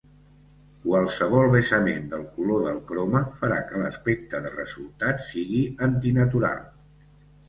Qualsevol vessament del color del croma farà que l'aspecte de resultat sigui antinatural.